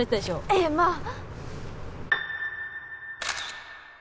ええまあ。